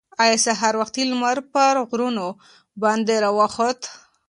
ایا سهار وختي لمر پر غرونو باندې راوخوت؟